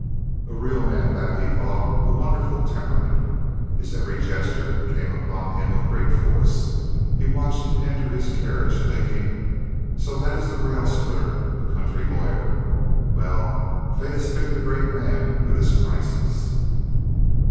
"A real man, that," he thought; "a wonderful temperament." His every gesture came upon him with great force. He watched him enter his carriage, thinking "So that is the railsplitter, the country lawyer. Well, fate has picked a great man for this crisis."